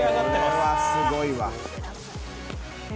すごいわ。